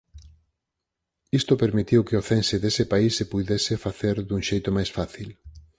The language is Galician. Isto permitiu que o cense dese país se puidese facer dun xeito máis fácil.